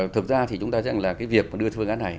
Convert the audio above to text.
thực ra thì chúng ta sẽ rằng là cái việc đưa thương án này